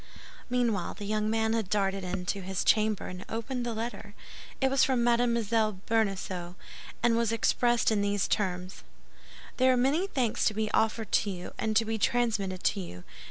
Meanwhile, the young man had darted in to his chamber, and opened the letter. It was from Mme. Bonacieux, and was expressed in these terms: "There are many thanks to be offered to you, and to be transmitted to you.